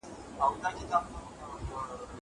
زه مينه څرګنده کړې ده!!